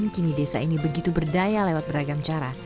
kini desa ini begitu berdaya lewat beragam cara